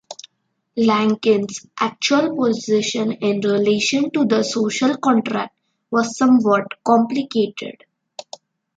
Lankin's actual position in relation to the "social contract" was somewhat complicated.